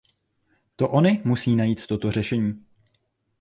To ony musí najít toto řešení.